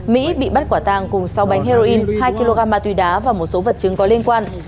mỹ bị bắt quả tang cùng sáu bánh heroin hai kg ma túy đá và một số vật chứng có liên quan